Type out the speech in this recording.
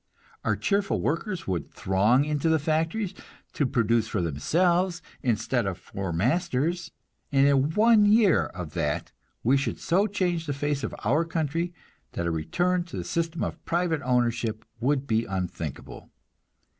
Our cheerful workers would throng into the factories, to produce for themselves instead of for masters; and in one year of that we should so change the face of our country that a return to the system of private ownership would be unthinkable.